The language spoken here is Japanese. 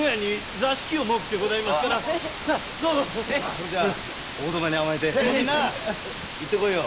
それじゃあお言葉に甘えてみんな行ってこいよ。